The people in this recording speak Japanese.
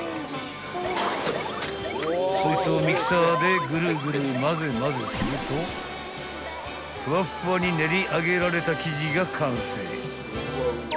［そいつをミキサーでグルグルまぜまぜするとふわふわに練り上げられた生地が完成］